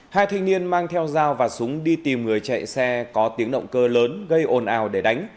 hai thanh niên mang theo dao và súng đi tìm người chạy xe có tiếng động cơ lớn gây ồn ào để đánh